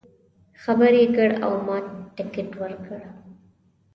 خبر یې کړ او ما ټکټ ورکړ.